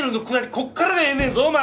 こっからがええねんぞお前！